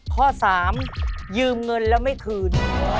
ข้อ๓ยืมเงินแล้วไม่คืน